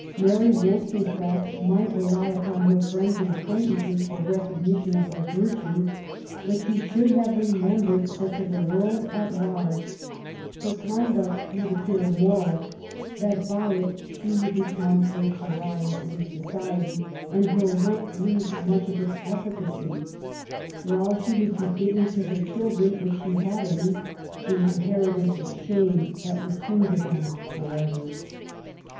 Mary Wollstonecraft might rely upon her friends and acquaintances for recognition of her virtue, but she should have remem bered that to the world at large her conduct would appear immoral ; that by it she would become a ^oxialL V 126 MARY WOLLSTONEGBAFT GODWIN. in society^ and her work lose much of its efficacy; while she would be giving to her children, if she had any^ an inheritance of shame that would cling to them for ever.